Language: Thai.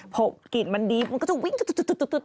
พวกกลิ่นมันดีมันก็จะวิ้งตุ๊ด